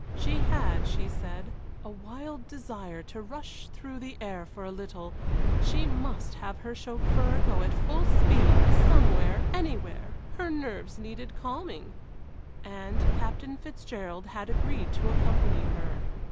She had, she said, a wild desire to rush through the air for a little she must have her chauffeur go at full speed somewhere anywhere her nerves needed calming! And Captain Fitzgerald had agreed to accompany her.